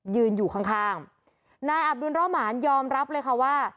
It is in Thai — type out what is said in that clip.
ยืนอยู่ข้างข้างนายอับดุลร่อหมานยอมรับเลยค่ะว่า